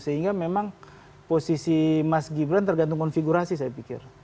sehingga memang posisi mas gibran tergantung konfigurasi saya pikir